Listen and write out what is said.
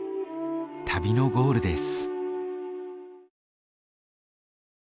旅のゴールです。